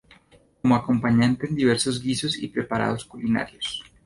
Como acompañante en diversos guisos y preparados culinarios.